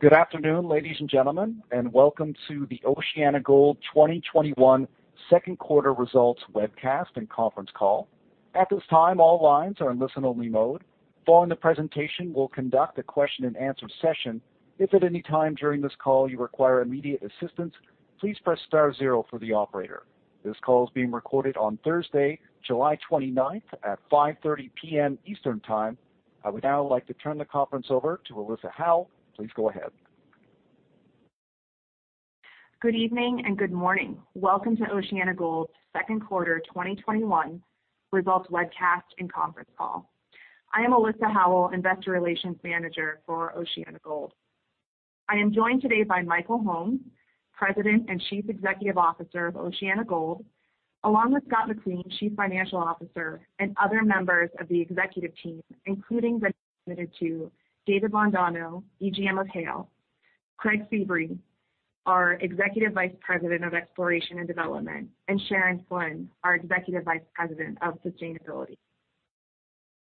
Good afternoon, ladies and gentlemen, and welcome to the OceanaGold 2021 second quarter results webcast and conference call. At this time, all lines are in listen-only mode. Following the presentation, we'll conduct a question and answer session. If at any time during this call you require immediate assistance, please press star zero for the operator. This call is being recorded on Thursday, July 29th at 5:30 PM Eastern Time. I would now like to turn the conference over to Alyssa Howell. Please go ahead. Good evening, and good morning. Welcome to OceanaGold's second quarter 2021 results webcast and conference call. I am Alyssa Howell, Investor Relations Manager for OceanaGold. I am joined today by Michael Holmes, President and Chief Executive Officer of OceanaGold, along with Scott McQueen, Chief Financial Officer, and other members of the executive team, including, but not limited to, David Londoño, EGM of Haile; Craig Serjeant, our Executive Vice President of Exploration and Development; and Sharon Flynn, our Executive Vice President of Sustainability.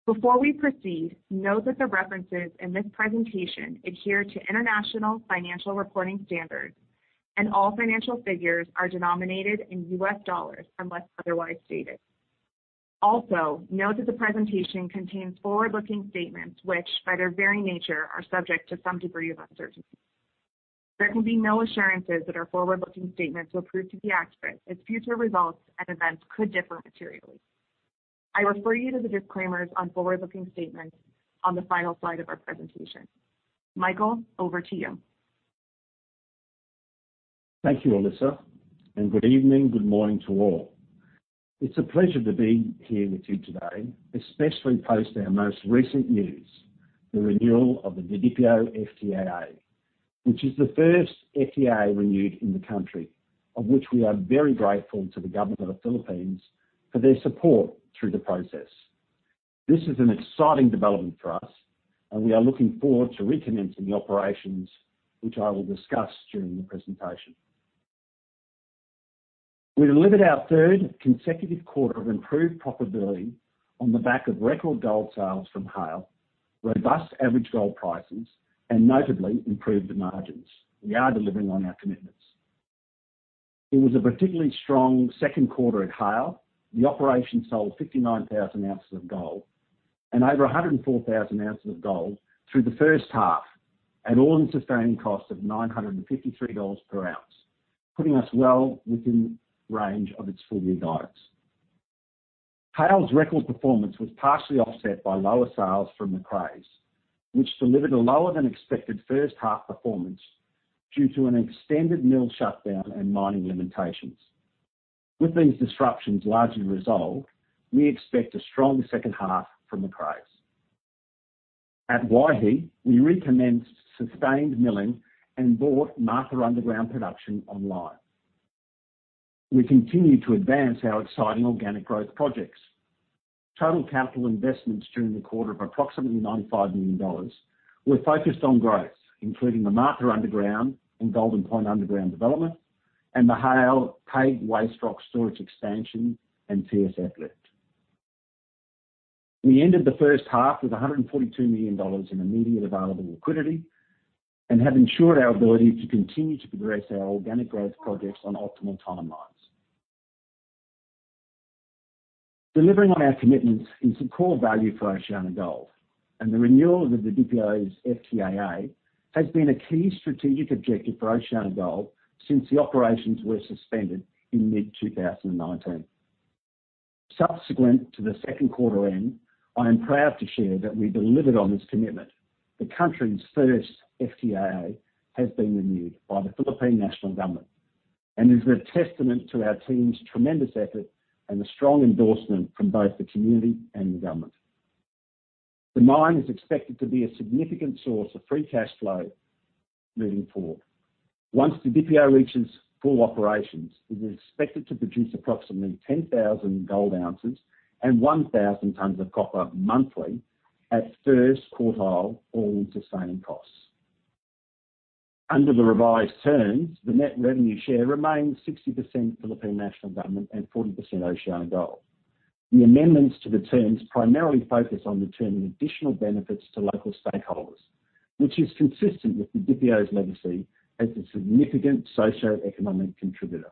Before we proceed, note that the references in this presentation adhere to International Financial Reporting Standards and all financial figures are denominated in US dollars unless otherwise stated. Note that the presentation contains forward-looking statements which, by their very nature, are subject to some degree of uncertainty. There can be no assurances that our forward-looking statements will prove to be accurate as future results and events could differ materially. I refer you to the disclaimers on forward-looking statements on the final slide of our presentation. Michael, over to you. Thank you, Alyssa, and good evening, good morning to all. It's a pleasure to be here with you today, especially post our most recent news, the renewal of the Didipio FTAA, which is the first FTAA renewed in the country, of which we are very grateful to the Government of the Philippines for their support through the process. This is an exciting development for us, and we are looking forward to recommencing operations, which I will discuss during the presentation. We delivered our third consecutive quarter of improved profitability on the back of record gold sales from Haile, robust average gold prices, and notably improved margins. We are delivering on our commitments. It was a particularly strong second quarter at Haile. The operation sold 59,000 ounces of gold and over 104,000 ounces of gold through the first half at all-in sustaining costs of $953 per ounce, putting us well within range of its full-year guidance. Haile's record performance was partially offset by lower sales from Macraes, which delivered a lower-than-expected first half performance due to an extended mill shutdown and mining limitations. With these disruptions largely resolved, we expect a strong second half from Macraes. At Waihi, we recommenced sustained milling and brought Martha Underground production online. We continue to advance our exciting organic growth projects. Total capital investments during the quarter of approximately $95 million were focused on growth, including the Martha Underground and Golden Point Underground development and the Haile PAG waste rock storage expansion and TSF lift. We ended the first half with $142 million in immediate available liquidity and have ensured our ability to continue to progress our organic growth projects on optimal timelines. Delivering on our commitments is a core value for OceanaGold, and the renewal of the Didipio's FTAA has been a key strategic objective for OceanaGold since the operations were suspended in mid-2019. Subsequent to the second quarter end, I am proud to share that we delivered on this commitment. The country's first FTAA has been renewed by the Philippine national government and is a testament to our team's tremendous effort and a strong endorsement from both the community and the government. The mine is expected to be a significant source of free cash flow moving forward. Once Didipio reaches full operations, it is expected to produce approximately 10,000 gold ounces and 1,000 tons of copper monthly at first quartile all-in sustaining costs. Under the revised terms, the net revenue share remains 60% Philippine national government and 40% OceanaGold. The amendments to the terms primarily focus on returning additional benefits to local stakeholders, which is consistent with Didipio's legacy as a significant socioeconomic contributor.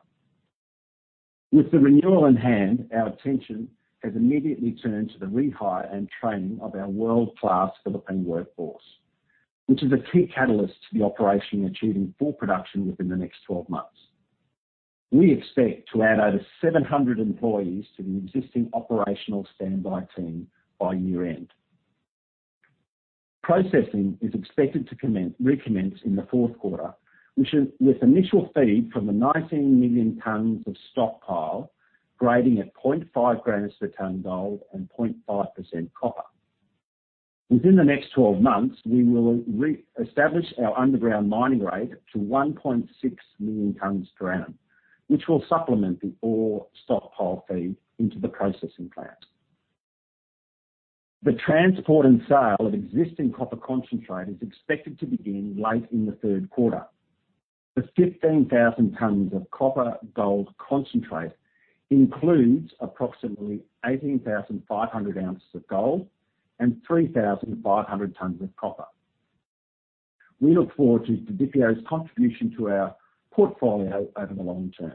With the renewal in hand, our attention has immediately turned to the rehire and training of our world-class Philippine workforce, which is a key catalyst to the operation achieving full production within the next 12 months. We expect to add over 700 employees to the existing operational standby team by year-end. Processing is expected to recommence in the fourth quarter with initial feed from the 19 million tons of stockpile grading at 0.5 g per ton gold and 0.5% copper. Within the next 12 months, we will reestablish our underground mining rate to 1.6 million tons per annum, which will supplement the ore stockpile feed into the processing plant. The transport and sale of existing copper concentrate is expected to begin late in the third quarter. The 15,000 tons of copper gold concentrate includes approximately 18,500 ounces of gold and 3,500 tons of copper. We look forward to Didipio's contribution to our portfolio over the long term.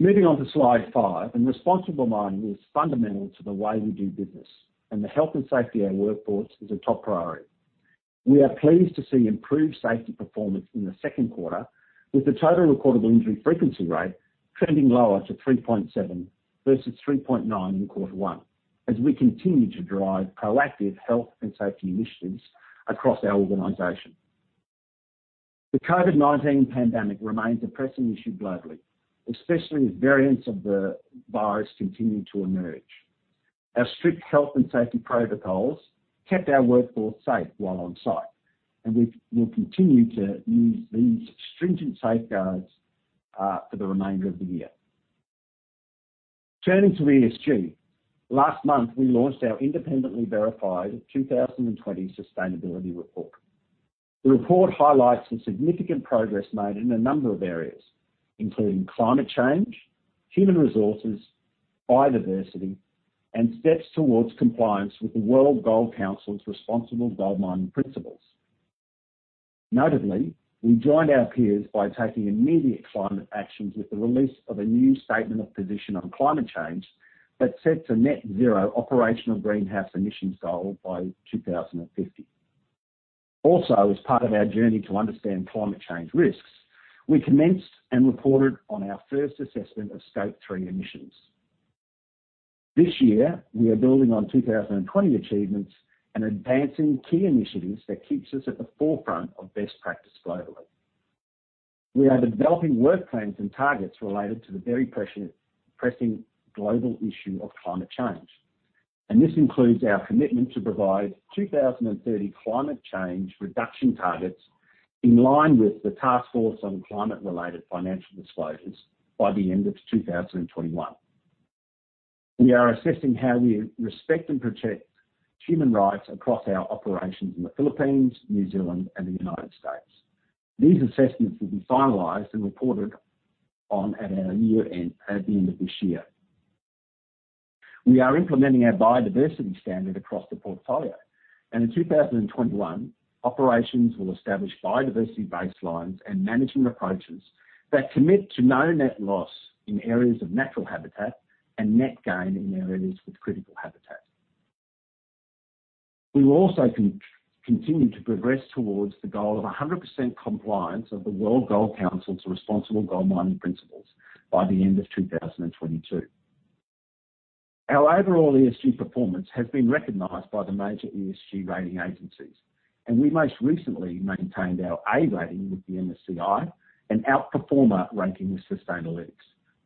Moving on to slide five, responsible mining is fundamental to the way we do business, and the health and safety of our workforce is a top priority. We are pleased to see improved safety performance in the second quarter with the total recordable injury frequency rate trending lower to 3.7 versus 3.9 in quarter one, as we continue to drive proactive health and safety initiatives across our organization. The COVID-19 pandemic remains a pressing issue globally, especially with variants of the virus continuing to emerge. Our strict health and safety protocols kept our workforce safe while on-site, and we will continue to use these stringent safeguards for the remainder of the year. Turning to ESG. Last month, we launched our independently verified 2020 sustainability report. The report highlights the significant progress made in a number of areas, including climate change, human resources, biodiversity, and steps towards compliance with the World Gold Council's Responsible Gold Mining Principles. Notably, we joined our peers by taking immediate climate actions with the release of a new statement of position on climate change that sets a net zero operational greenhouse emissions goal by 2050. Also, as part of our journey to understand climate change risks, we commenced and reported on our first assessment of Scope three emissions. This year, we are building on 2020 achievements and advancing key initiatives that keeps us at the forefront of best practice globally. We are developing work plans and targets related to the very pressing global issue of climate change, and this includes our commitment to provide 2030 climate change reduction targets in line with the Task Force on Climate-related Financial Disclosures by the end of 2021. We are assessing how we respect and protect human rights across our operations in the Philippines, New Zealand, and the United States. These assessments will be finalized and reported on at the end of this year. We are implementing our biodiversity standard across the portfolio, and in 2021, operations will establish biodiversity baselines and management approaches that commit to no net loss in areas of natural habitat and net gain in areas with critical habitat. We will also continue to progress towards the goal of 100% compliance of the World Gold Council's Responsible Gold Mining Principles by the end of 2022. Our overall ESG performance has been recognized by the major ESG rating agencies, and we most recently maintained our A rating with the MSCI and Outperformer ranking with Sustainalytics,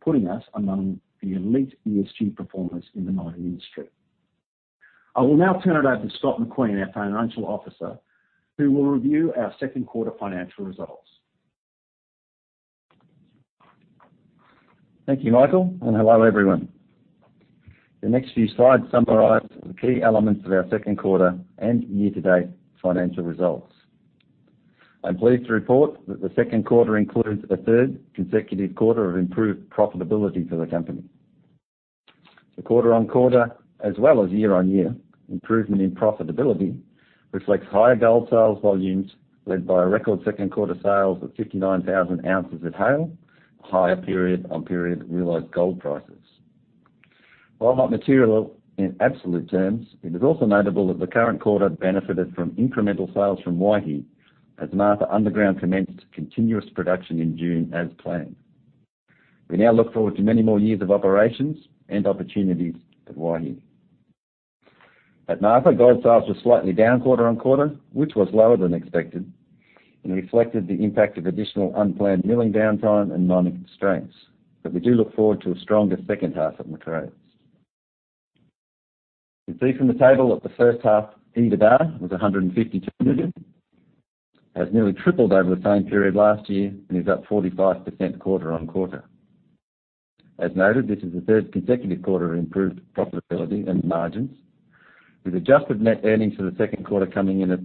putting us among the elite ESG performers in the mining industry. I will now turn it over to Scott McQueen, our financial officer, who will review our second quarter financial results. Thank you, Michael. Hello everyone. The next few slides summarize the key elements of our second quarter and year-to-date financial results. I am pleased to report that the second quarter includes a third consecutive quarter of improved profitability for the company. The quarter-on-quarter, as well as year-on-year improvement in profitability reflects higher gold sales volumes, led by a record second quarter sales of 59,000 ounces at Haile, a higher period-on-period realized gold prices. While not material in absolute terms, it is also notable that the current quarter benefited from incremental sales from Waihi, as Martha Underground commenced continuous production in June as planned. We now look forward to many more years of operations and opportunities at Waihi. At Martha, gold sales were slightly down quarter-on-quarter, which was lower than expected and reflected the impact of additional unplanned milling downtime and mining constraints. We do look forward to a stronger second half at Macraes. You can see from the table that the first half EBITDA was $152 million, has nearly tripled over the same period last year, and is up 45% quarter-on-quarter. As noted, this is the third consecutive quarter of improved profitability and margins, with adjusted net earnings for the second quarter coming in at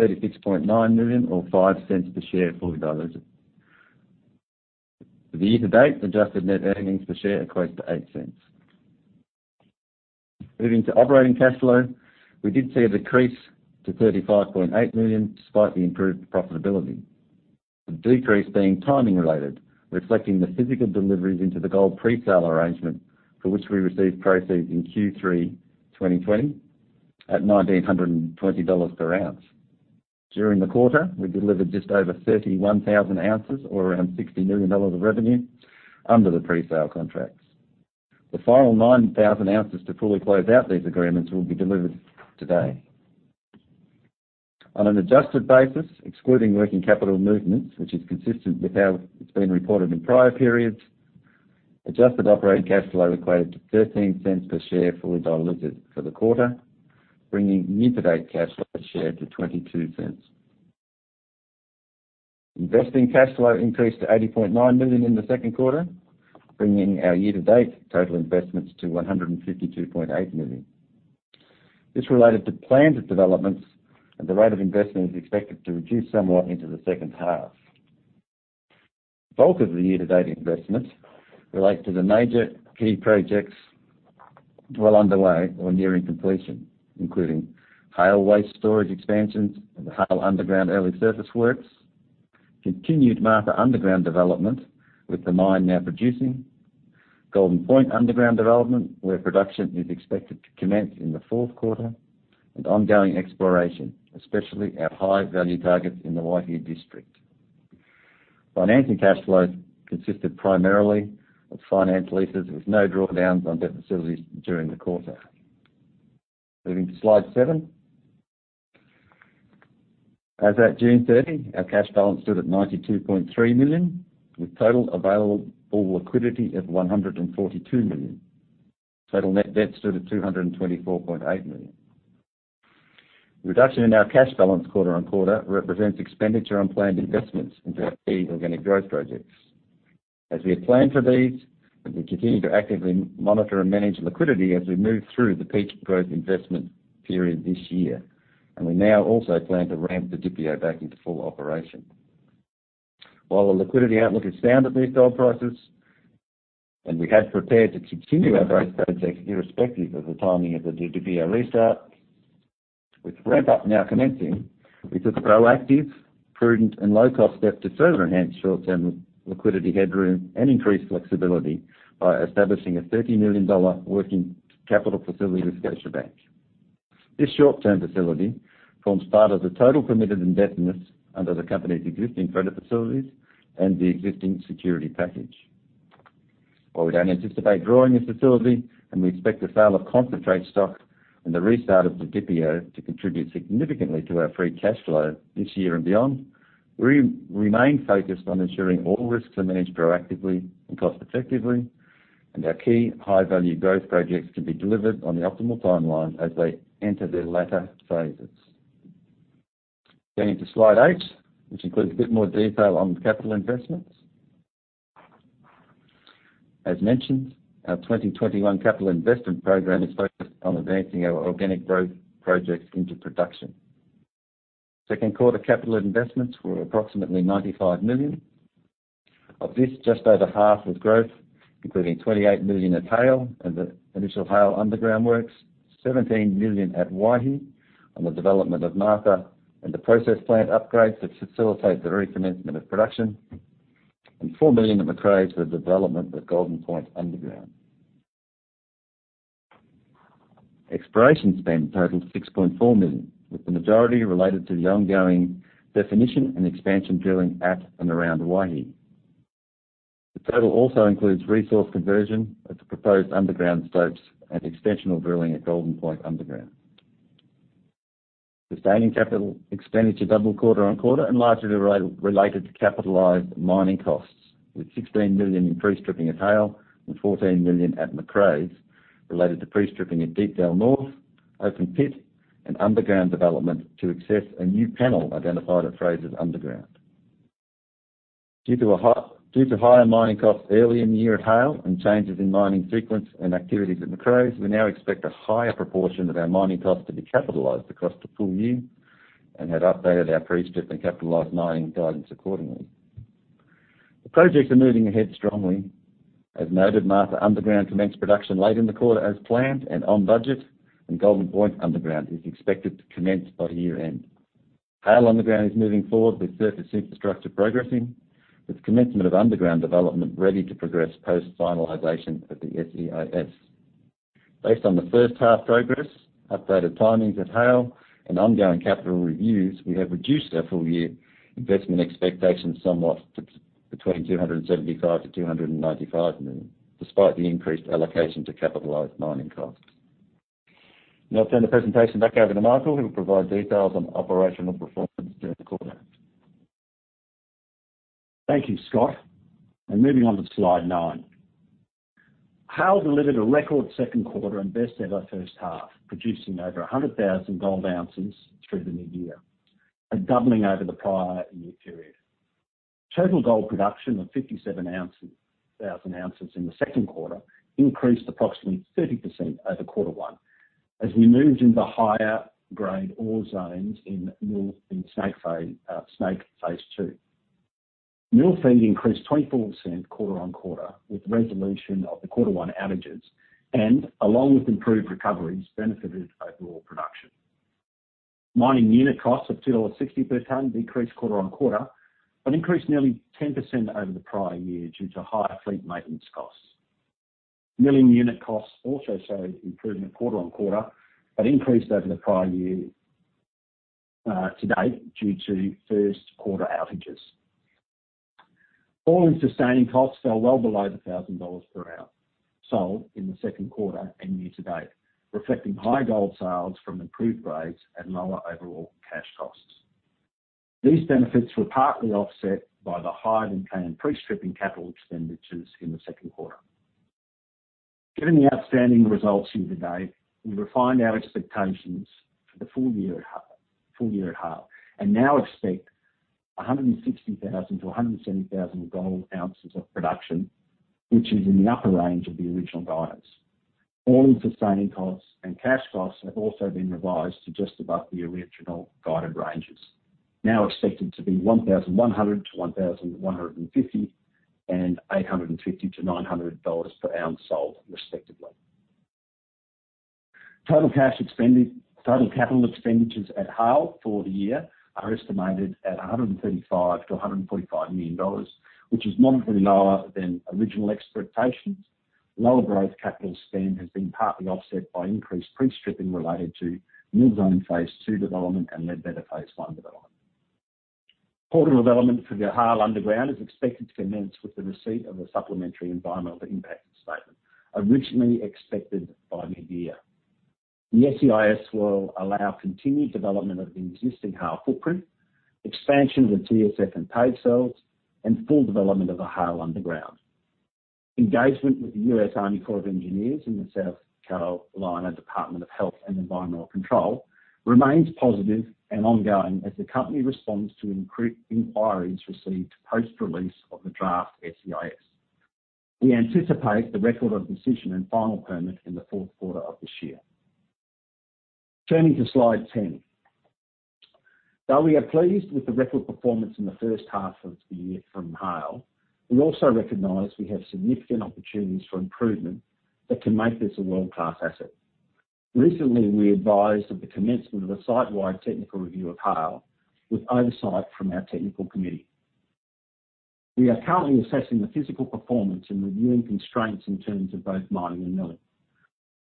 $36.9 million or $0.05 per share fully diluted. For the year to date, adjusted net earnings per share equates to $0.08. Moving to operating cash flow, we did see a decrease to $35.8 million, despite the improved profitability. The decrease being timing related, reflecting the physical deliveries into the gold presale arrangement, for which we received proceeds in Q3 2020 at $1,920 per ounce. During the quarter, we delivered just over 31,000 ounces or around $60 million of revenue under the presale contracts. The final 9,000 ounces to fully close out these agreements will be delivered today. On an adjusted basis, excluding working capital movements, which is consistent with how it's been reported in prior periods, adjusted operating cash flow equated to $0.13 per share, fully diluted for the quarter, bringing year-to-date cash flow per share to $0.22. Investing cash flow increased to $80.9 million in the second quarter, bringing our year-to-date total investments to $152.8 million. This related to planned developments, and the rate of investment is expected to reduce somewhat into the second half. The bulk of the year-to-date investments relate to the major key projects well underway or nearing completion, including Haile waste storage expansions and the Haile Underground early surface works, continued Martha Underground development, with the mine now producing, Golden Point Underground development, where production is expected to commence in the fourth quarter, and ongoing exploration, especially at high-value targets in the Waihi district. Financing cash flows consisted primarily of finance leases, with no drawdowns on debt facilities during the quarter. Moving to slide seven. As at June 30, our cash balance stood at $92.3 million, with total available liquidity of $142 million. Total net debt stood at $224.8 million. The reduction in our cash balance quarter-over-quarter represents expenditure on planned investments into our key organic growth projects. As we have planned for these, and we continue to actively monitor and manage liquidity as we move through the peak growth investment period this year, and we now also plan to ramp the Didipio back into full operation. While the liquidity outlook is sound at these gold prices, and we have prepared to continue our growth projects irrespective of the timing of the Didipio restart, with ramp-up now commencing, we took the proactive, prudent, and low-cost step to further enhance short-term liquidity headroom and increase flexibility by establishing a $30 million working capital facility with Scotiabank. This short-term facility forms part of the total permitted indebtedness under the company's existing credit facilities and the existing security package. While we don't anticipate drawing this facility, and we expect the sale of concentrate stock and the restart of the Didipio to contribute significantly to our free cash flow this year and beyond, we remain focused on ensuring all risks are managed proactively and cost-effectively, and our key high-value growth projects can be delivered on the optimal timeline as they enter their latter phases. Getting to slide eight, which includes a bit more detail on the capital investments. As mentioned, our 2021 capital investment program is focused on advancing our organic growth projects into production. Second quarter capital investments were approximately $95 million. Of this, just over half was growth, including $28 million at Haile and the initial Haile Underground works, $17 million at Waihi on the development of Martha and the process plant upgrades that facilitate the recommencement of production, and $4 million at Macraes for development at Golden Point Underground. Exploration spend totaled $6.4 million, with the majority related to the ongoing definition and expansion drilling at and around Waihi. The total also includes resource conversion of the proposed underground stopes and extensional drilling at Golden Point Underground. Sustaining capital expenditure doubled quarter-on-quarter and largely related to capitalized mining costs, with $16 million in pre-stripping at Haile and $14 million at Macraes related to pre-stripping at Deepdell North, open pit, and underground development to access a new panel identified at Fraser's Underground. Due to higher mining costs early in the year at Haile and changes in mining sequence and activities at Macraes, we now expect a higher proportion of our mining costs to be capitalized across the full year and have updated our pre-strip and capitalized mining guidance accordingly. The projects are moving ahead strongly. As noted, Martha Underground commenced production late in the quarter as planned and on budget, and Golden Point Underground is expected to commence by year-end. Haile Underground is moving forward with surface infrastructure progressing, with commencement of underground development ready to progress post-finalization of the SEIS. Based on the first half progress, updated timings at Haile, and ongoing capital reviews, we have reduced our full-year investment expectations somewhat to between $275 million-$295 million, despite the increased allocation to capitalized mining costs. Now I turn the presentation back over to Michael, who will provide details on operational performance during the quarter. Thank you, Scott. Moving on to slide nine. Haile delivered a record second quarter and best ever first half, producing over 100,000 gold ounces through the mid-year, a doubling over the prior year period. Total gold production of 57,000 ounces in the second quarter increased approximately 30% over quarter 1. We moved into higher-grade ore zones in Snake Phase two. Mill feed increased 24% quarter-on-quarter, with resolution of the quarter one outages, along with improved recoveries, benefited overall production. Mining unit costs of $2.60 per ton decreased quarter-on-quarter, increased nearly 10% over the prior year due to higher fleet maintenance costs. Milling unit costs also showed improvement quarter-on-quarter, increased over the prior year-to-date due to first quarter outages. All-in sustaining costs fell well below the $1,000 per ounce sold in the second quarter and year to date, reflecting high gold sales from improved grades and lower overall cash costs. These benefits were partly offset by the higher-than-planned pre-stripping capital expenditures in the second quarter. Given the outstanding results year to date, we refined our expectations for the full year at Haile and now expect 160,000-170,000 gold ounces of production, which is in the upper range of the original guidance. All-in sustaining costs and cash costs have also been revised to just above the original guided ranges, now expected to be $1,100-$1,150 and $850-$900 per ounce sold respectively. Total capital expenditures at Haile for the year are estimated at $135 million-$145 million, which is moderately lower than original expectations. Lower growth capital spend has been partly offset by increased pre-stripping related to new zone phase two development and Ledbetter phase one development. Portal development for the Haile Underground is expected to commence with the receipt of a supplementary environmental impact statement, originally expected by mid-year. The SEIS will allow continued development of the existing Haile footprint, expansion of the TSF and PAG cells, and full development of the Haile Underground. Engagement with the U.S. Army Corps of Engineers and the South Carolina Department of Health and Environmental Control remains positive and ongoing as the company responds to inquiries received post-release of the draft SEIS. We anticipate the Record of Decision and final permit in the fourth quarter of this year. Turning to slide 10. Though we are pleased with the record performance in the first half of the year from Haile, we also recognize we have significant opportunities for improvement that can make this a world-class asset. Recently, we advised of the commencement of a site-wide technical review of Haile with oversight from our technical committee. We are currently assessing the physical performance and reviewing constraints in terms of both mining and milling.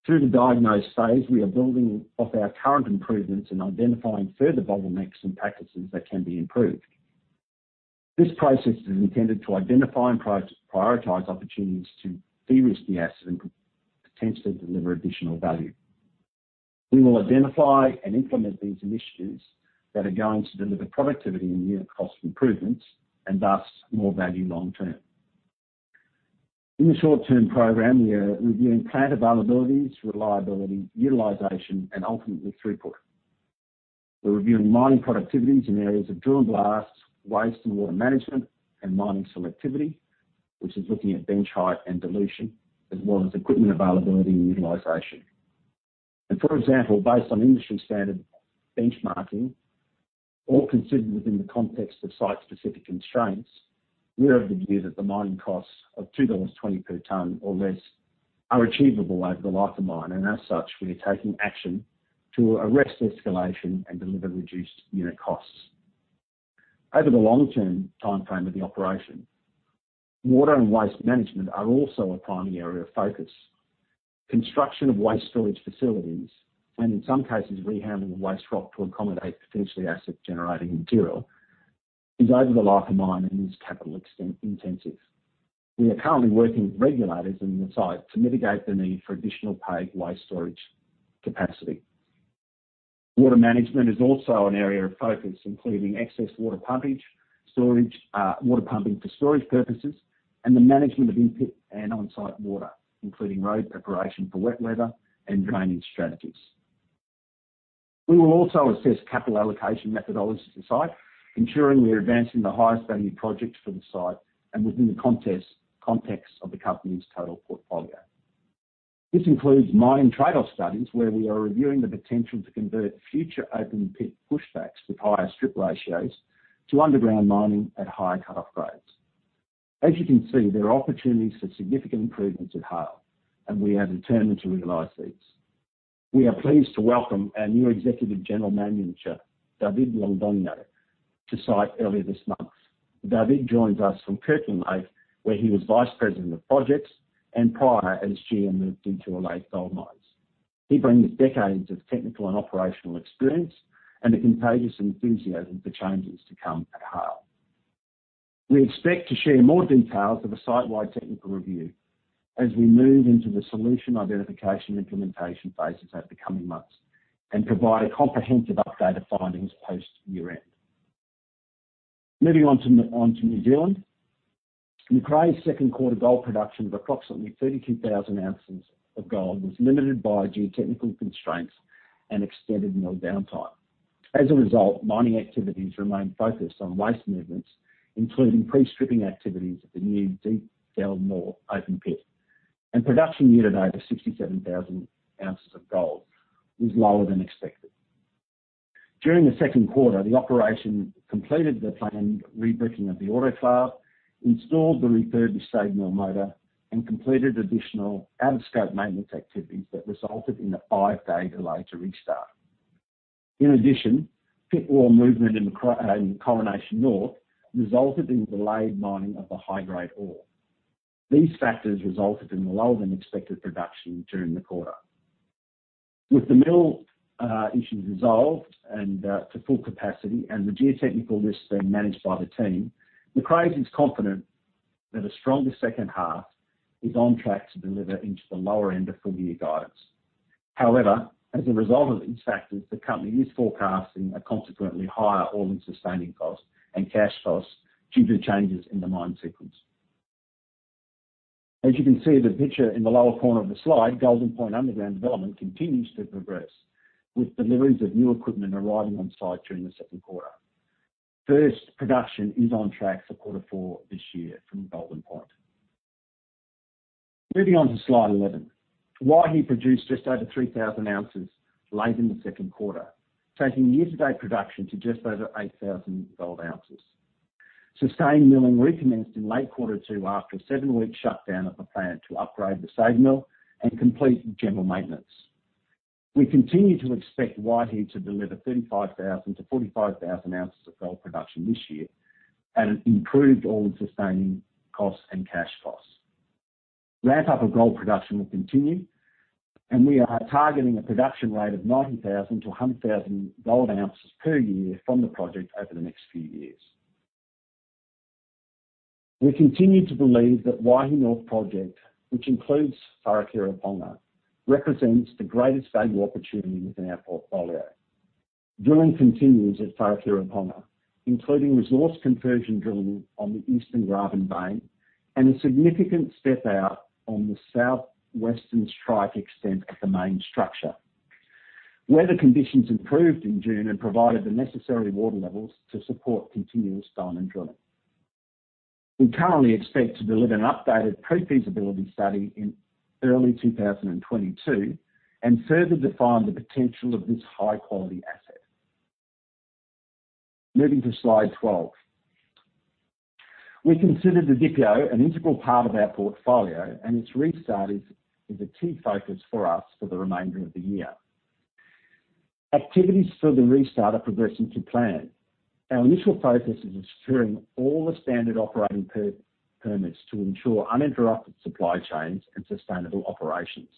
Through the diagnose phase, we are building off our current improvements and identifying further bottlenecks and practices that can be improved. This process is intended to identify and prioritize opportunities to de-risk the asset and potentially deliver additional value. We will identify and implement these initiatives that are going to deliver productivity and unit cost improvements, and thus more value long term. In the short-term program, we are reviewing plant availabilities, reliability, utilization, and ultimately throughput. We're reviewing mining productivities in areas of drill and blasts, waste and water management, and mining selectivity, which is looking at bench height and dilution, as well as equipment availability and utilization. For example, based on industry standard benchmarking, all considered within the context of site-specific constraints, we are of the view that the mining costs of $2.20 per ton or less are achievable over the life of mine, and as such, we are taking action to arrest escalation and deliver reduced unit costs. Over the long-term timeframe of the operation, water and waste management are also a primary area of focus. Construction of waste storage facilities, and in some cases, rehandling the waste rock to accommodate potentially acid-generating material, is over the life of mine and is capital extensive. We are currently working with regulators in the site to mitigate the need for additional PAG waste storage capacity. Water management is also an area of focus, including excess water pumping for storage purposes, and the management of in-pit and on-site water, including road preparation for wet weather and drainage strategies. We will also assess capital allocation methodologies at site, ensuring we are advancing the highest value projects for the site and within the context of the company's total portfolio. This includes mining trade-off studies, where we are reviewing the potential to convert future open pit pushbacks with higher strip ratios to underground mining at higher cut-off grades. As you can see, there are opportunities for significant improvements at Haile, and we are determined to realize these. We are pleased to welcome our new executive general manager, David Londoño, to site earlier this month. David joins us from Kirkland Lake, where he was vice president of projects and prior as GM of Pinto Valley Gold Mines. He brings decades of technical and operational experience and a contagious enthusiasm for changes to come at Haile. We expect to share more details of a site-wide technical review as we move into the solution identification implementation phases over the coming months and provide a comprehensive update of findings post year-end. Moving on to New Zealand. Macraes' second quarter gold production of approximately 32,000 ounces of gold was limited by geotechnical constraints and extended mill downtime. As a result, mining activities remained focused on waste movements, including pre-stripping activities at the new Deepdell North open pit, and production year to date of 67,000 ounces of gold was lower than expected. During the second quarter, the operation completed the planned rebricking of the autoclave, installed the refurbished AG mill motor, and completed additional out-of-scope maintenance activities that resulted in a five day delay to restart. In addition, pit wall movement in the Coronation North resulted in delayed mining of the high-grade ore. These factors resulted in lower-than-expected production during the quarter. With the mill issues resolved and to full capacity, and the geotechnical risks being managed by the team, Macraes is confident that a stronger second half is on track to deliver into the lower end of full year guidance. As a result of these factors, the company is forecasting a consequently higher all-in sustaining cost and cash costs due to changes in the mine sequence. As you can see in the picture in the lower corner of the slide, Golden Point underground development continues to progress, with deliveries of new equipment arriving on site during the second quarter. First production is on track for quarter four this year from Golden Point. Moving on to slide 11. Waihi produced just over 3,000 ounces late in the second quarter, taking year-to-date production to just over 8,000 gold ounces. Sustained milling recommenced in late quarter two after a seven week shutdown of the plant to upgrade the SAG mill and complete general maintenance. We continue to expect Waihi to deliver 35,000 to 45,000 ounces of gold production this year, at an improved all-in sustaining cost and cash cost. We are targeting a production rate of 90,000 to 100,000 gold ounces per year from the project over the next few years. We continue to believe that Waihi North Project, which includes Wharekireponga, represents the greatest value opportunity within our portfolio. Drilling continues at Wharekireponga, including resource conversion drilling on the Eastern aven vein and a significant step-out on the southwestern strike extent of the main structure. Weather conditions improved in June and provided the necessary water levels to support continuous diamond drilling. We currently expect to deliver an updated pre-feasibility study in early 2022 and further define the potential of this high-quality asset. Moving to slide 12. We consider Didipio an integral part of our portfolio, and its restart is a key focus for us for the remainder of the year. Activities for the restart are progressing to plan. Our initial focus is ensuring all the standard operating permits to ensure uninterrupted supply chains and sustainable operations.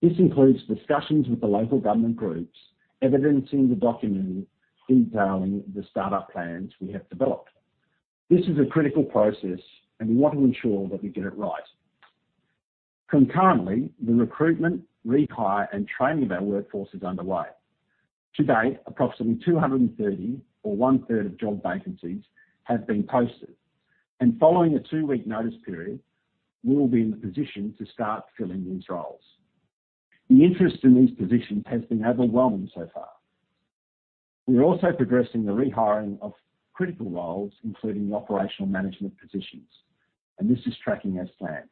This includes discussions with the local government groups, evidencing the document detailing the startup plans we have developed. This is a critical process, and we want to ensure that we get it right. Concurrently, the recruitment, rehire, and training of our workforce is underway. To date, approximately 230, or one-third of job vacancies, have been posted. Following a two week notice period, we will be in the position to start filling these roles. The interest in these positions has been overwhelming so far. We are also progressing the rehiring of critical roles, including the operational management positions, and this is tracking as planned.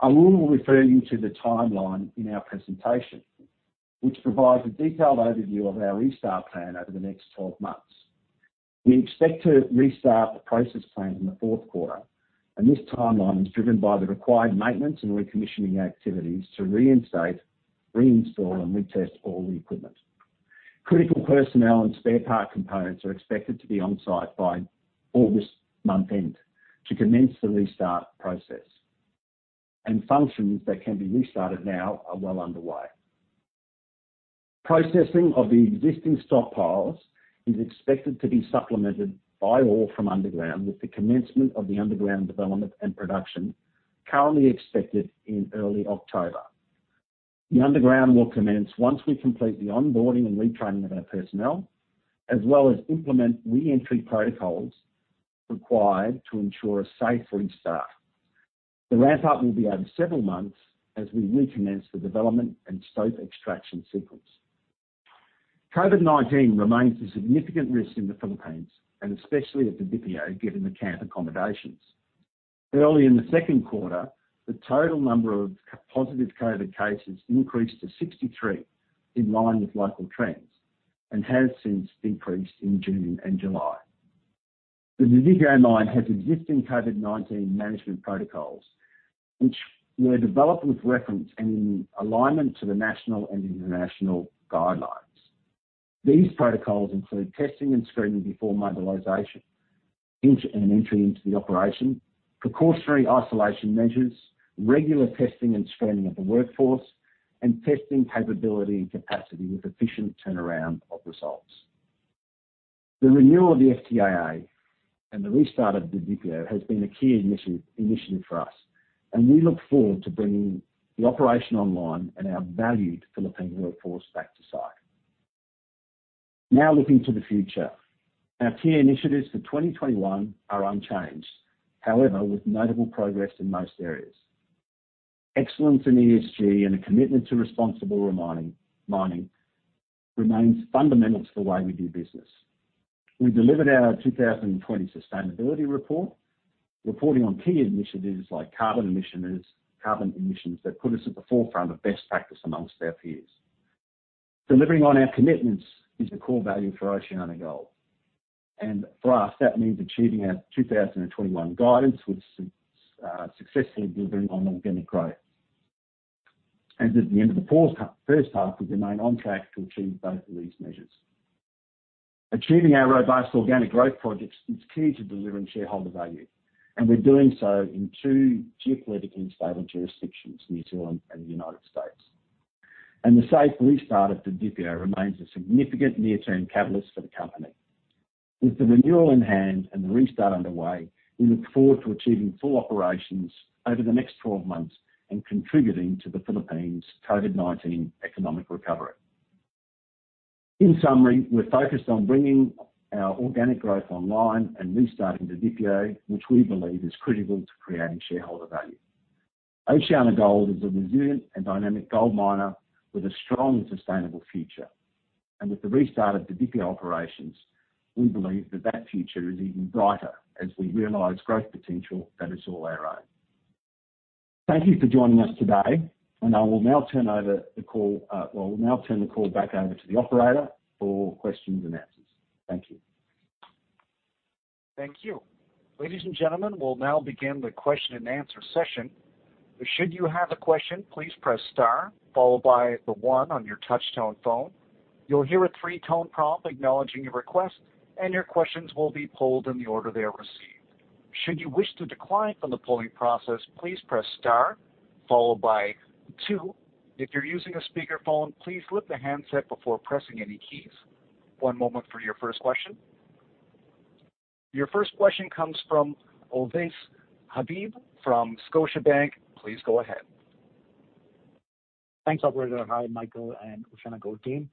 I will refer you to the timeline in our presentation, which provides a detailed overview of our restart plan over the next 12 months. We expect to restart the process plant in the fourth quarter, and this timeline is driven by the required maintenance and recommissioning activities to reinstate, reinstall, and retest all the equipment. Critical personnel and spare part components are expected to be on-site by August month-end to commence the restart process, and functions that can be restarted now are well underway. Processing of the existing stockpiles is expected to be supplemented by ore from underground, with the commencement of the underground development and production currently expected in early October. The underground will commence once we complete the onboarding and retraining of our personnel, as well as implement re-entry protocols required to ensure a safe restart. The ramp-up will be over several months as we recommence the development and stope extraction sequence. COVID-19 remains a significant risk in the Philippines and especially at Didipio, given the camp accommodations. Early in the second quarter, the total number of positive COVID cases increased to 63, in line with local trends, and has since decreased in June and July. The Didipio mine has existing COVID-19 management protocols, which were developed with reference and in alignment to the national and international guidelines. These protocols include testing and screening before mobilization and entry into the operation, precautionary isolation measures, regular testing and screening of the workforce, and testing capability and capacity with efficient turnaround of results. The renewal of the FTAA and the restart of Didipio has been a key initiative for us, and we look forward to bringing the operation online and our valued Philippine workforce back to site. Now looking to the future. Our key initiatives for 2021 are unchanged, however, with notable progress in most areas. Excellence in ESG and a commitment to responsible mining remains fundamental to the way we do business. We delivered our 2020 sustainability report, reporting on key initiatives like carbon emissions that put us at the forefront of best practice amongst our peers. Delivering on our commitments is a core value for OceanaGold, and for us, that means achieving our 2021 guidance, which is successfully delivering on organic growth. At the end of the first half, we remain on track to achieve both of these measures. Achieving our robust organic growth projects is key to delivering shareholder value, and we're doing so in two geopolitically stable jurisdictions, New Zealand and the United States. The safe restart of Didipio remains a significant near-term catalyst for the company. With the renewal in hand and the restart underway, we look forward to achieving full operations over the next 12 months and contributing to the Philippines' COVID-19 economic recovery. In summary, we're focused on bringing our organic growth online and restarting the DPO, which we believe is critical to creating shareholder value. OceanaGold is a resilient and dynamic gold miner with a strong and sustainable future. With the restart of the DPO operations, we believe that future is even brighter as we realize growth potential that is all our own. Thank you for joining us today, and I will now turn the call back over to the operator for questions and answers. Thank you. Thank you. Ladies and gentlemen, we'll now begin the question and answer session. Should you have a question, please press star followed by the one on your touchtone phone. You'll hear a three tone prompt acknowledging your request, and your questions will be polled in the order they are received. Should you wish to decline from the polling process, please press star followed by two. If you're using a speakerphone, please lift the handset before pressing any keys. One moment for your first question. Your first question comes from Ovais Habib from Scotiabank. Please go ahead. Thanks, operator. Hi, Michael and OceanaGold team.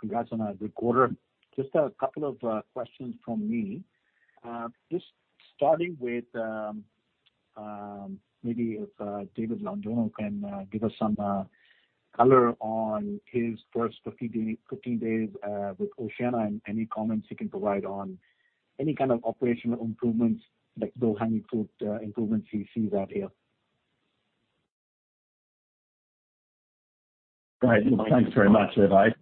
Congrats on a good quarter. Just a couple of questions from me. Starting with, maybe if David Londoño can give us some color on his first 15 days with OceanaGold and any comments he can provide on any kind of operational improvements, like low-hanging fruit improvements he sees out here. Great. Well, thanks very much, Ovais,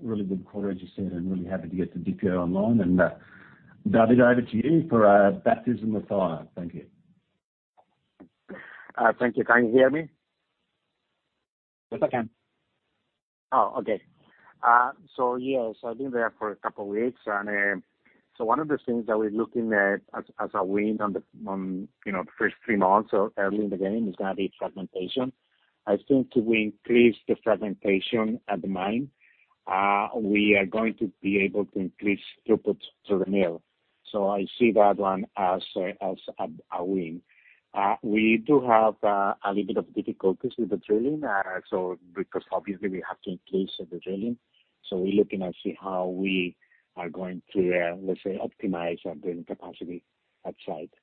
really good quarter, as you said, and really happy to get the DPO online. David, over to you for a baptism of fire. Thank you. Thank you. Can you hear me? Yes, I can. Okay. Yes, I've been there for a couple of weeks, one of the things that we're looking at as a win on the first three months, or early in the game, is going to be fragmentation. I think if we increase the fragmentation at the mine, we are going to be able to increase throughput to the mill. I see that one as a win. We do have a little bit of difficulties with the drilling, because obviously we have to increase the drilling. We're looking at see how we are going to, let's say, optimize our drilling capacity at site.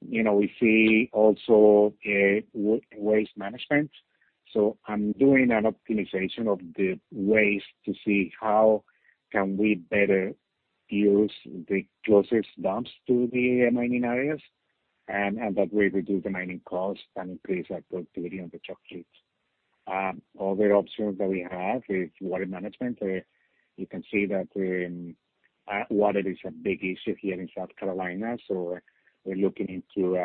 We see also waste management. I'm doing an optimization of the waste to see how can we better use the closest dumps to the mining areas, and that way reduce the mining cost and increase our productivity on the truck fleets. Other options that we have is water management. You can see that water is a big issue here in South Carolina, so we're looking into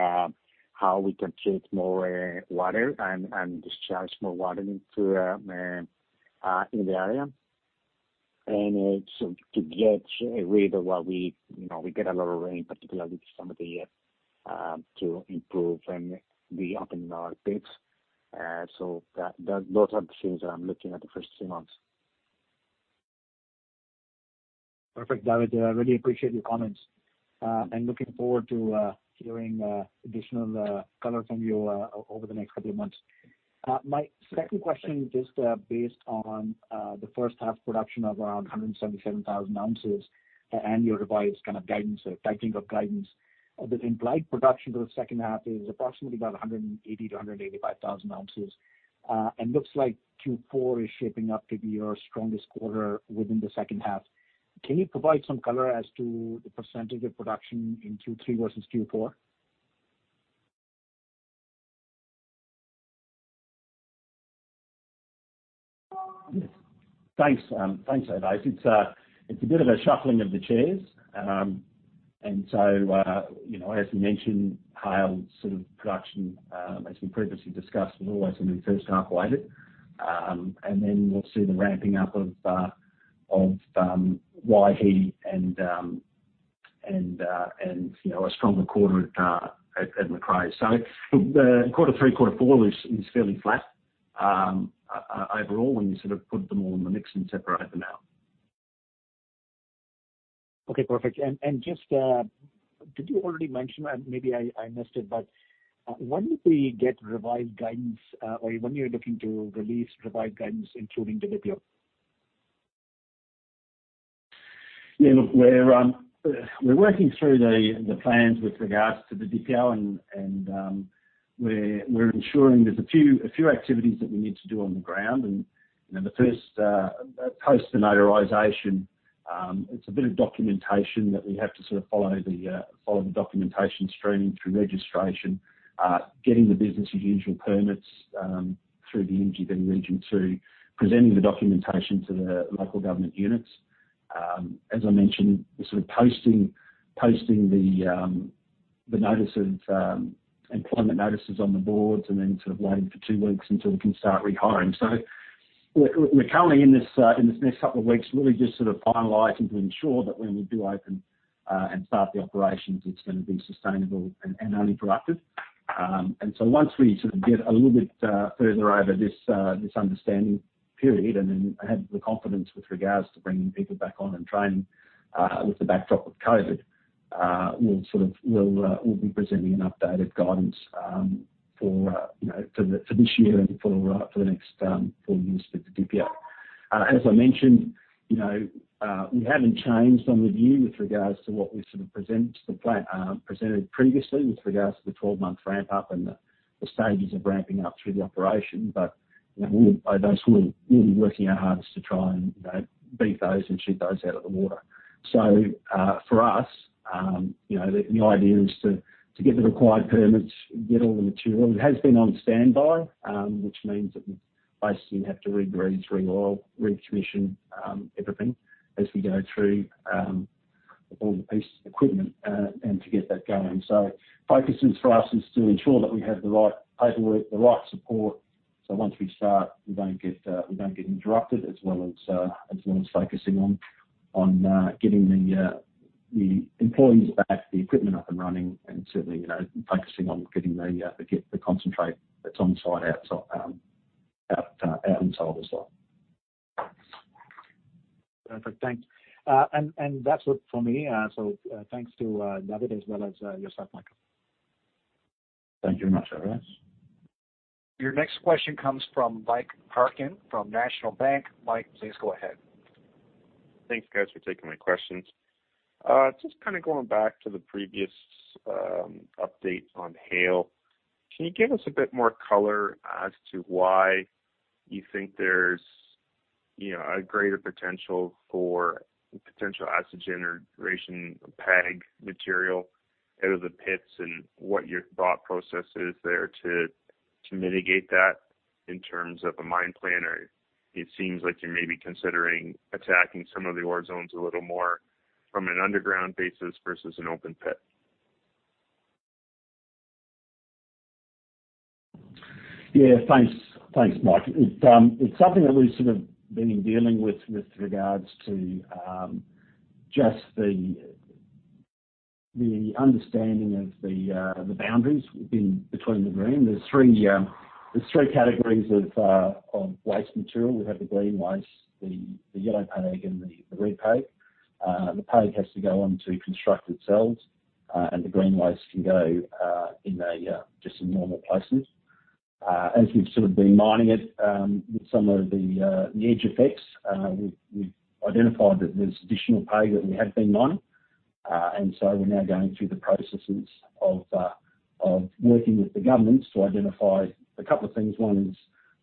how we can treat more water and discharge more water into the area. To get rid of what we get a lot of rain, particularly to improve the open pits. Those are the things that I'm looking at the first three months. Perfect, David. I really appreciate your comments, and looking forward to hearing additional color from you over the next couple of months. My second question, just based on the first half production of around 177,000 ounces and your revised kind of guidance or tightening of guidance, the implied production for the second half is approximately about 180,000-185,000 ounces. Looks like Q4 is shaping up to be your strongest quarter within the second half. Can you provide some color as to the percentage of production in Q3 versus Q4? Yes. Thanks, Ovais. It's a bit of a shuffling of the chairs. As we mentioned, Haile's sort of production, as we previously discussed, was always going to be first half weighted. We'll see the ramping up of Waihi and a stronger quarter at Macraes. The quarter three, quarter four is fairly flat overall when you sort of put them all in the mix and separate them out. Okay, perfect. Just, did you already mention, and maybe I missed it, but when do we get revised guidance? When you're looking to release revised guidance including the DPO? Yeah, look, we're working through the plans with regards to the DPO, and we're ensuring there's a few activities that we need to do on the ground. The first, post the notarization, it's a bit of documentation that we have to sort of follow the documentation streaming through registration, getting the business as usual permits, through the Ngungun region to presenting the documentation to the local government units. As I mentioned, the sort of posting the employment notices on the boards and then sort of waiting for two weeks until we can start rehiring. We're currently in this next couple of weeks, really just sort of finalizing to ensure that when we do open and start the operations, it's going to be sustainable and only productive. Once we sort of get a little bit further over this understanding period and then have the confidence with regards to bringing people back on and training, with the backdrop of COVID. We'll be presenting an updated guidance for this year and for the next four years for the DP. As I mentioned, we haven't changed on the view with regards to what we presented previously with regards to the 12-month ramp up and the stages of ramping up through the operation. Those, we'll be working our hardest to try and beat those and shoot those out of the water. For us, the idea is to get the required permits, get all the material. It has been on standby, which means that we basically have to re-grease, re-oil, recommission everything as we go through all the pieces of equipment, and to get that going. Focuses for us is to ensure that we have the right paperwork, the right support, so once we start, we don't get interrupted as well as focusing on getting the employees back, the equipment up and running and certainly, focusing on getting the concentrate that's on-site out and sold as well. Perfect. Thanks. That's it for me. Thanks to David Londoño as well as yourself, Michael. Thank you much, Ovais Habib. Your next question comes from Mike Parkin from National Bank. Mike, please go ahead. Thanks, guys, for taking my questions. Going back to the previous update on Haile. Can you give us a bit more color as to why you think there's a greater potential for potential acid generation, PAG material, out of the pits and what your thought process is there to mitigate that in terms of a mine plan? It seems like you're maybe considering attacking some of the ore zones a little more from an underground basis versus an open pit. Yeah. Thanks. Thanks, Mike. It's something that we've been dealing with regards to just the understanding of the boundaries between the green. There's three categories of waste material. We have the green waste, the yellow PAG, and the red PAG. The PAG has to go on to construct itself, the green waste can go just in normal places. As we've been mining it, with some of the edge effects, we've identified that there's additional PAG that we have been mining. We're now going through the processes of working with the governments to identify a couple of things. one,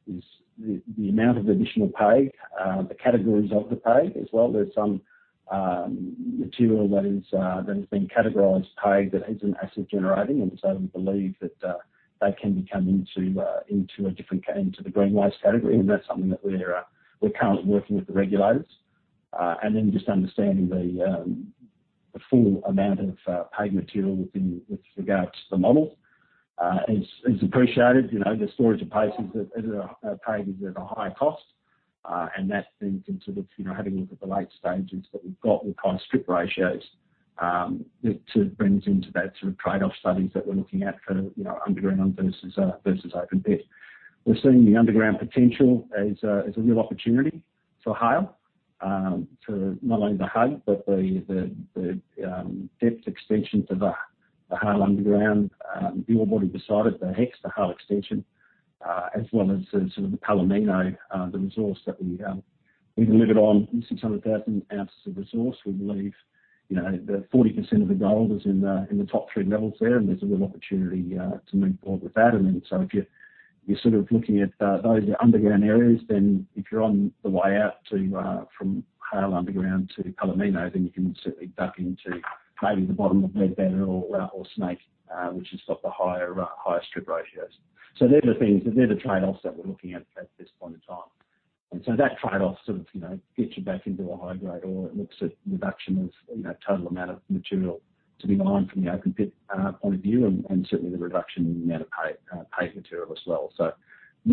is the amount of additional PAG, the categories of the PAG as well. There's some material that has been categorized PAG that isn't acid generating, and so we believe that they can come into the green waste category. That's something that we're currently working with the regulators. Just understanding the full amount of PAG material with regards to the model is appreciated. The storage of PAG is at a high cost. That's being considered, having a look at the late stages that we've got with kind of strip ratios, that brings into that sort of trade-off studies that we're looking at for underground versus open pit. We're seeing the underground potential as a real opportunity for Haile, for not only the Haile, but the depth extension to the Haile underground, the ore body beside it, the HEX, the Haile extension, as well as the Palomino, the resource that we delivered on, 600,000 ounces of resource. We believe that 40% of the gold is in the top three levels there, and there's a real opportunity to move forward with that. If you're looking at those underground areas, if you're on the way out from Haile underground to Palomino, you can certainly duck into maybe the bottom of Red Bed or Snake, which has got the higher strip ratios. They're the things, they're the trade-offs that we're looking at this point in time. That trade-off sort of gets you back into a high grade, or it looks at reduction of total amount of material to be mined from the open pit point of view, and certainly the reduction in the amount of PAG material as well. That's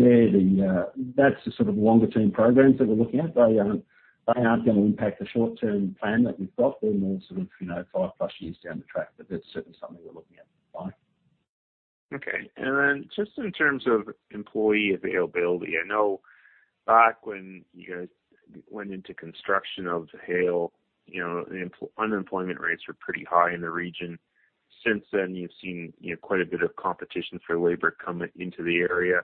the sort of longer-term programs that we're looking at. They aren't going to impact the short-term plan that we've got. They're more sort of five plus years down the track. That's certainly something we're looking at, Mike. Okay. Just in terms of employee availability, I know back when you guys went into construction of Haile, the unemployment rates were pretty high in the region. Since then, you've seen quite a bit of competition for labor coming into the area.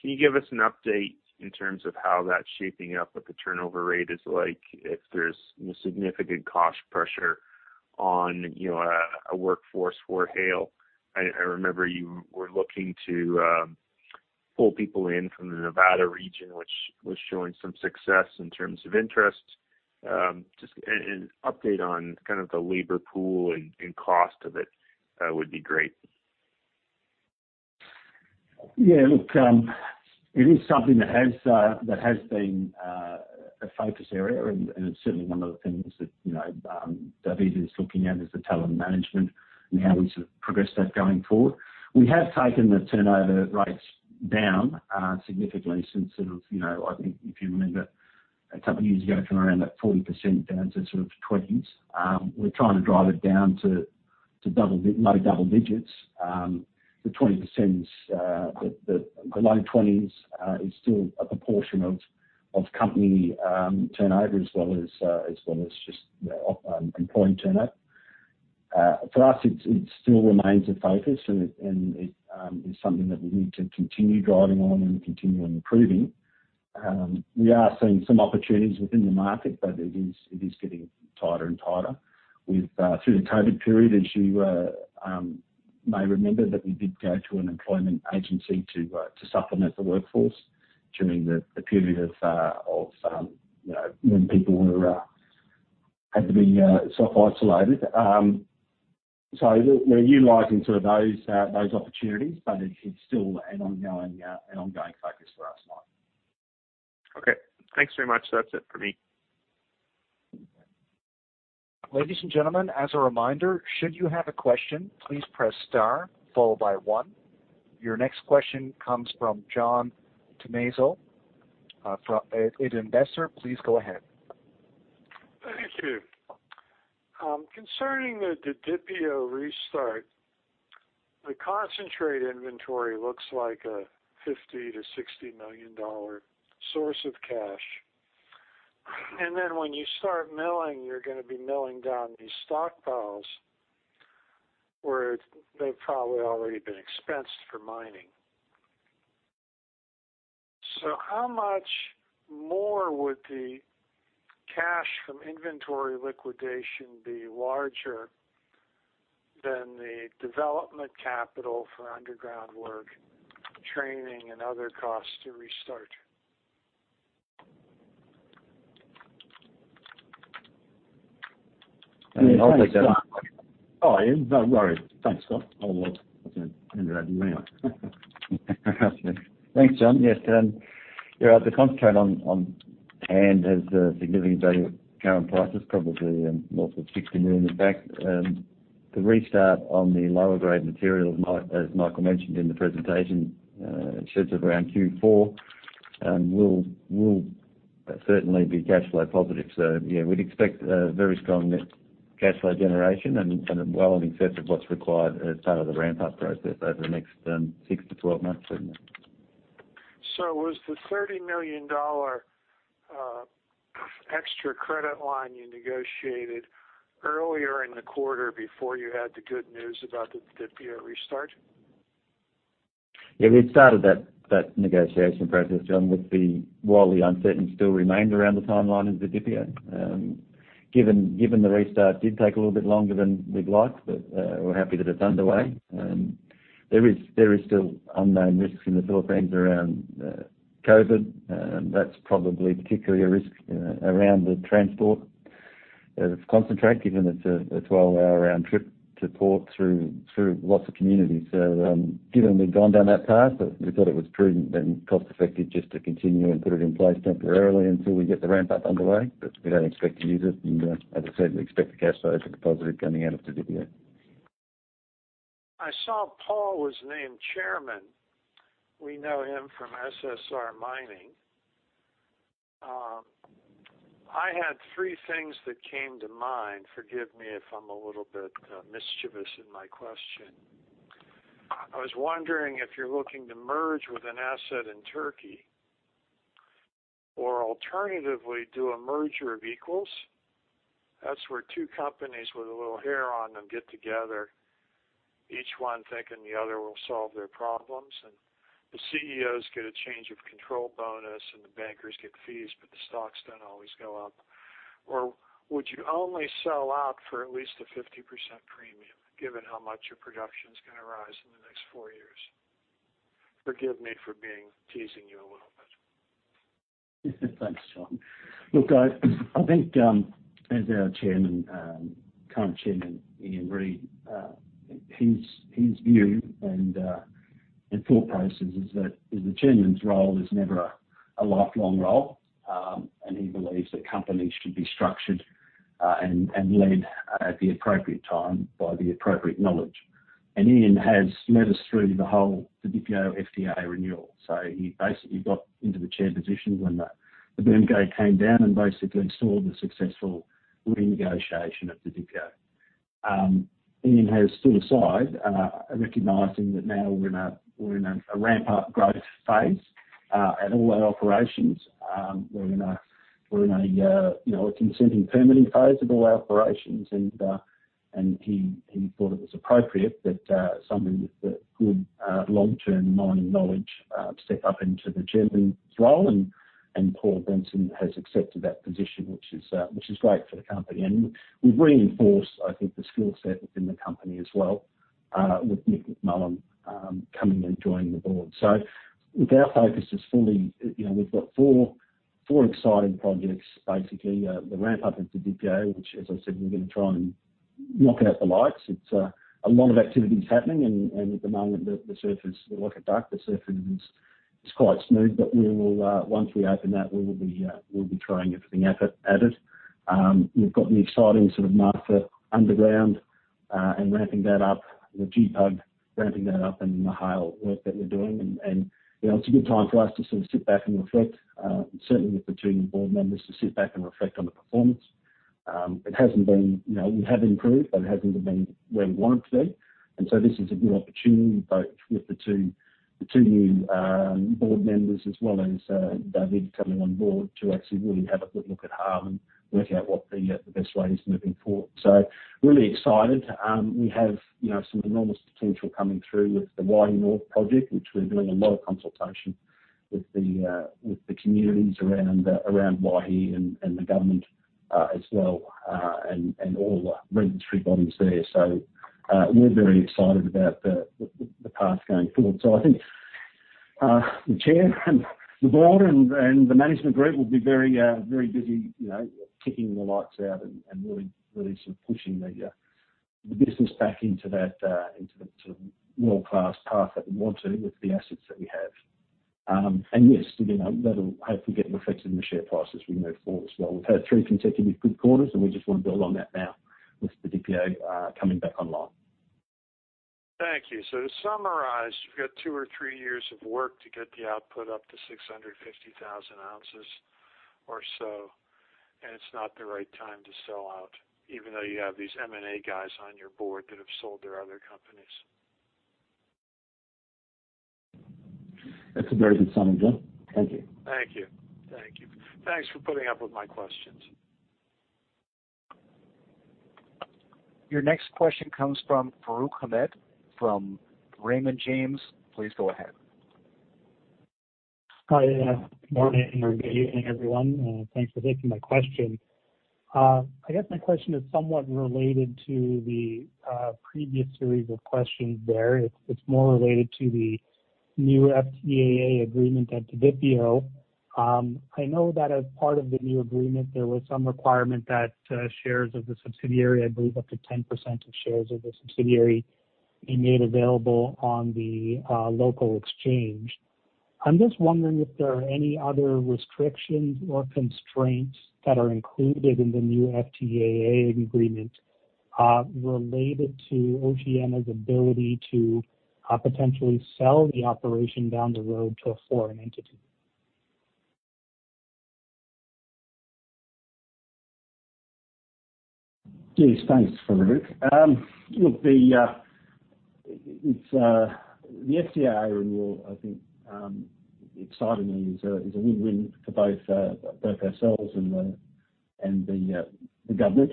Can you give us an update in terms of how that's shaping up, what the turnover rate is like, if there's significant cost pressure on a workforce for Haile? I remember you were looking to pull people in from the Nevada region, which was showing some success in terms of interest. Just an update on kind of the labor pool and cost of it would be great. It is something that has been a focus area, and it's certainly one of the things that David Londoño is looking at, is the talent management and how we sort of progress that going forward. We have taken the turnover rates down significantly since sort of, I think if you remember a couple of years ago, from around that 40% down to sort of 20s. We're trying to drive it down to To low double digits. The low 20s is still a proportion of company turnover as well as just employee turnover. For us, it still remains a focus and it is something that we need to continue driving on and continue improving. We are seeing some opportunities within the market, but it is getting tighter and tighter. Through the COVID period, as you may remember, that we did go to an employment agency to supplement the workforce during the period when people had to be self-isolated. We're utilizing those opportunities, but it's still an ongoing focus for us, Mike. Okay. Thanks very much. That's it for me. Ladies and gentlemen, as a reminder, should you have a question, please press star followed by one. Your next question comes from John Tumazos from Aid Investor. Please go ahead. Thank you. Concerning the Didipio restart, the concentrate inventory looks like a $50 million-$60 million source of cash. When you start milling, you're going to be milling down these stockpiles, where they've probably already been expensed for mining. How much more would the cash from inventory liquidation be larger than the development capital for underground work, training, and other costs to restart? I'll take that. Oh, Iam. No worries. Thanks, Scott. I was going to hand it over to you anyway. Thanks, John. Yes. The concentrate on hand has a significant value at current prices, probably north of $60 million. In fact, the restart on the lower grade material, as Michael mentioned in the presentation, it sheds around Q4, will certainly be cash flow positive. Yeah, we'd expect very strong net cash flow generation and well in excess of what's required as part of the ramp-up process over the next six to 12 months. Was the $30 million extra credit line you negotiated earlier in the quarter before you had the good news about the Didipio restart? Yeah, we'd started that negotiation process, John, with the wildly uncertain still remained around the timeline of Didipio. Given the restart did take a little bit longer than we'd like, we're happy that it's underway. There is still unknown risks in the Philippines around COVID. That's probably particularly a risk around the transport of concentrate, given it's a 12-hour round trip to port through lots of communities. Given we've gone down that path, we thought it was prudent and cost-effective just to continue and put it in place temporarily until we get the ramp-up underway. We don't expect to use it, and as I said, we expect the cash flow to be positive coming out of Didipio. I saw Paul was named Chairman. We know him from SSR Mining. I had thre things that came to mind. Forgive me if I'm a little bit mischievous in my question. I was wondering if you're looking to merge with an asset in Turkey or alternatively, do a merger of equals. That's where two companies with a little hair on them get together, each one thinking the other will solve their problems, and the CEOs get a change of control bonus and the bankers get fees, but the stocks don't always go up. Would you only sell out for at least a 50% premium, given how much your production's going to rise in the next four years? Forgive me for teasing you a little bit. Thanks, John. Look, I think as our current Chairman, Ian Reid, his view and thought process is the chairman's role is never a lifelong role. He believes that companies should be structured and led at the appropriate time by the appropriate knowledge. Ian has led us through the whole Didipio FTA renewal. He basically got into the Chairman position when the boom gate came down and basically saw the successful renegotiation of Didipio. Ian has stood aside, recognizing that now we're in a ramp-up growth phase at all our operations. We're in a consenting permitting phase of all our operations, and he thought it was appropriate that someone with the good long-term mining knowledge step up into the chairman's role, and Paul Benson has accepted that position, which is great for the company. We've reinforced, I think, the skill set within the company as well with Mick McMullen coming and joining the board. Look, our focus is fully. We've got four exciting projects, basically. The ramp-up at Didipio, which, as I said, we're going to try and knock it out the lights. It's a lot of activities happening, and at the moment, the surface, like at Dak, the surface is quite smooth. Once we open that, we will be throwing everything at it. We've got the exciting sort of Martha Underground and ramping that up, the GPUB, ramping that up, and the Haile work that we're doing. It's a good time for us to sort of sit back and reflect, certainly with the two new board members, to sit back and reflect on the performance. We have improved, but it hasn't been where we want it to be. This is a good opportunity, both with the two new board members, as well as David coming on board, to actually really have a good look at harm and work out what the best way is moving forward. Really excited. We have some enormous potential coming through with the Waihi North project, which we're doing a lot of consultation with the communities around Waihi and the government as well, and all the regulatory bodies there. We're very excited about the path going forward. I think the chair and the board and the management group will be very busy kicking the lights out and really sort of pushing the business back into the world-class path that we want to with the assets that we have. Yes, that'll hopefully get reflected in the share prices as we move forward as well. We've had three consecutively good quarters, and we just want to build on that now with the Didipio coming back online. Thank you. To summarize, you've got two or three years of work to get the output up to 650,000 ounces or so, and it's not the right time to sell out, even though you have these M&A guys on your board that have sold their other companies. That's a very good summary, John. Thank you. Thank you. Thanks for putting up with my questions. Your next question comes from Farooq Hamed from Raymond James. Please go ahead. Hi. Good morning or good evening, everyone. Thanks for taking my question. I guess my question is somewhat related to the previous series of questions there. It's more related to the new FTAA agreement at Didipio. I know that as part of the new agreement, there was some requirement that shares of the subsidiary, I believe up to 10% of shares of the subsidiary, be made available on the local exchange. I'm just wondering if there are any other restrictions or constraints that are included in the new FTAA agreement, related to OceanaGold's ability to potentially sell the operation down the road to a foreign entity. Yes, thanks, Farooq Hamed. The FTAA renewal, I think, excitingly is a win-win for both ourselves and the government.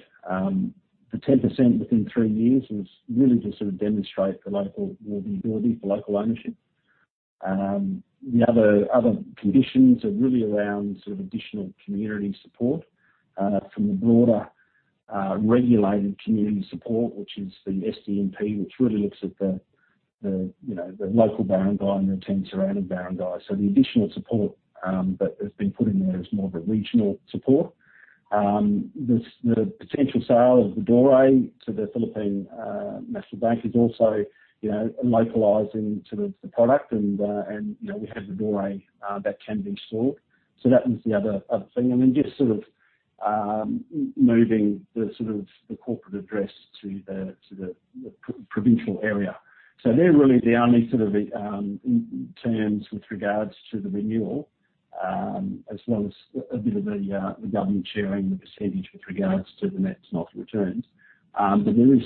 The 10% within three years was really to sort of demonstrate the ability for local ownership. The other conditions are really around sort of additional community support, from the broader regulated community support, which is the SDMP, which really looks at the local barangay and the 10 surrounding barangays. The additional support that has been put in there is more of a regional support. The potential sale of the doré to the Bangko Sentral ng Pilipinas is also localizing sort of the product, and we have the doré that can be sold. Just sort of moving the corporate address to the provincial area. They're really the only sort of terms with regards to the renewal, as well as a bit of the government sharing the percentage with regards to the net smelter returns. There is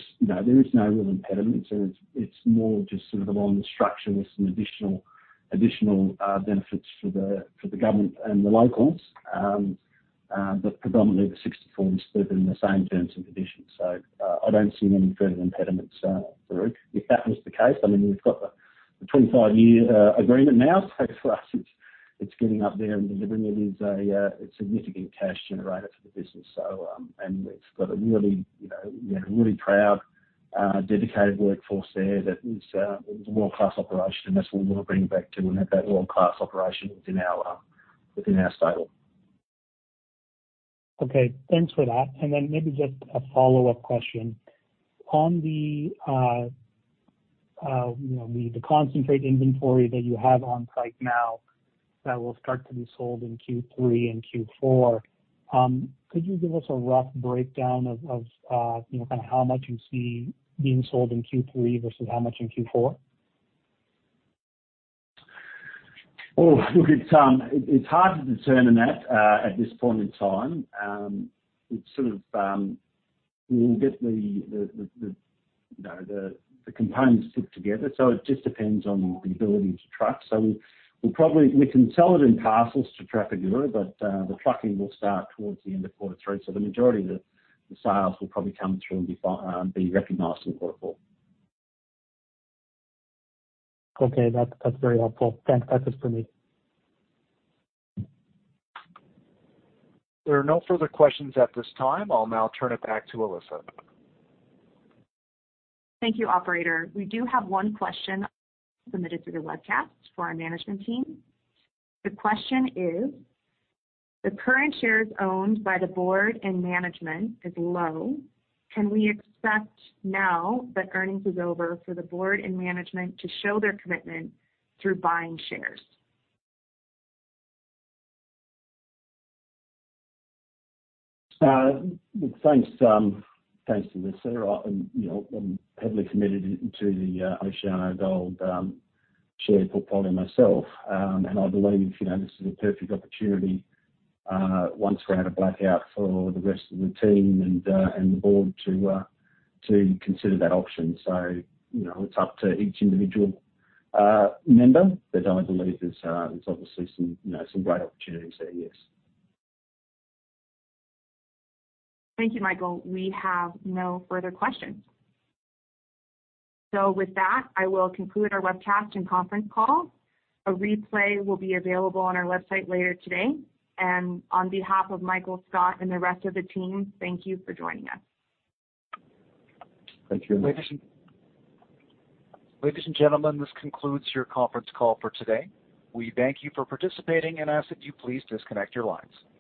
no real impediment. It's more just sort of along the structure with some additional benefits for the government and the locals. Predominantly, the 64 is still within the same terms and conditions. I don't see any further impediments, Farooq. If that was the case, we've got the 25-year agreement now, so for us, it's getting up there and delivering. It is a significant cash generator for the business. It's got a really proud, dedicated workforce there that is a world-class operation, and that's what we want to bring back to and have that world-class operation within our stable. Okay. Thanks for that. Maybe just a follow-up question. On the concentrate inventory that you have on site now that will start to be sold in Q3 and Q4, could you give us a rough breakdown of how much you see being sold in Q3 versus how much in Q4? Oh, look, it's hard to determine that at this point in time. We will get the components put together. It just depends on the ability to truck. We can sell it in parcels to Trafigura, but the trucking will start towards the end of quarter three. The majority of the sales will probably come through and be recognized in quarter four. Okay. That's very helpful. Thanks. That's it for me. There are no further questions at this time. I'll now turn it back to Alyssa. Thank you, Operator. We do have one question submitted through the webcast for our management team. The question is: The current shares owned by the board and management is low. Can we expect now that earnings is over for the board and management to show their commitment through buying shares? Thanks, Alyssa. I'm heavily committed to the OceanaGold share portfolio myself. I believe this is a perfect opportunity, once we're out of blackout, for the rest of the team and the board to consider that option. It's up to each individual member, but I would believe there's obviously some great opportunities there, yes. Thank you, Michael. We have no further questions. With that, I will conclude our webcast and conference call. A replay will be available on our website later today. On behalf of Michael, Scott, and the rest of the team, thank you for joining us. Thank you. Ladies and gentlemen, this concludes your conference call for today. We thank you for participating and ask that you please disconnect your lines.